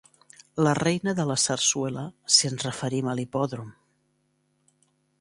La reina de la Sarsuela, si ens referim a l'hipòdrom.